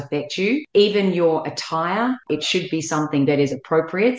terutama jika itu mempengaruhi anda